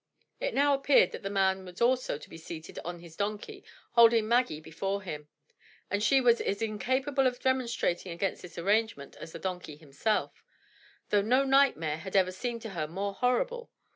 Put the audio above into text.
It now appeared that the man also was to be seated on the donkey holding Maggie before him, and she was as incapable of remonstrating against this arrangement as the donkey himself, though no nightmare had ever seemed to her more horrible.